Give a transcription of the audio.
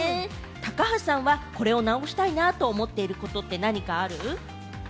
高橋さんは、これを直したいなと思ってることって何かある？